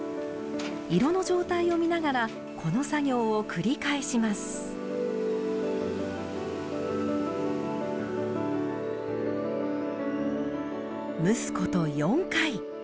色の状態を見ながらこの作業を繰り返します蒸すこと４回。